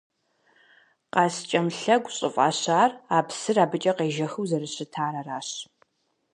«Къаскӏэм лъэгу» щӏыфӏащар а псыр абыкӏэ къежэхыу зэрыщытар аращ.